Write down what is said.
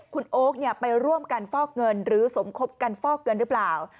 คุณโอ๊คไปร่วมกันฟอกเงินหรือสมคบกันฟอกเงินหรือเปล่า